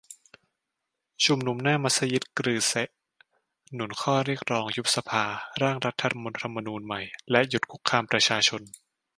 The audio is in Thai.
ชุมนุมหน้ามัสยิดกรือเซะ หนุนข้อเรียกร้อง ยุบสภา ร่างรัฐธรรมนูญใหม่ และ หยุดคุกคามประชาชน